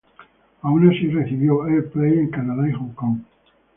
Aun así, recibió airplay en Canadá y Hong Kong.